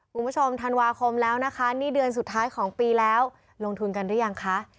คุณผู้ชมธันวาคมแล้วนะคะนี่เดือนสุดท้ายของปีแล้วลงทุนกันหรือยังคะ